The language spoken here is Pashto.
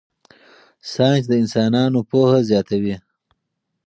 ساینس د انسانانو پوهه زیاتوي.